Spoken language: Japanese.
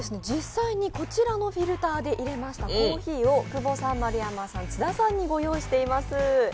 実際にこちらのフィルターでいれましたコーヒーを久保さん、丸山さん、津田さんにご用意しています。